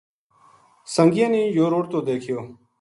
سنگیاں نے یوہ رُڑتو دیکھیو